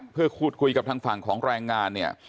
เพื่อคุดคุยกับทางฝั่งของแรงงาน